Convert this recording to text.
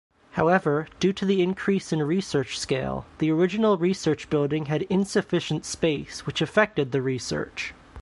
However, due to the increase in research scale, the original research building had insufficient space, which affected the research.